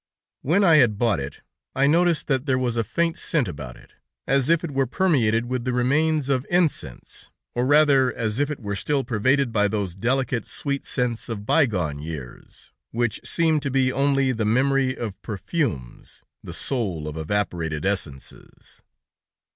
When I had bought it, I noticed that there was a faint scent about it, as if it were permeated with the remains of incense, or rather, as if it were still pervaded by those delicate, sweet scents of by gone years, which seemed to be only the memory of perfumes, the soul of evaporated essences.